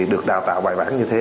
được đào tạo bài bản như thế